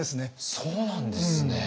そうなんですね。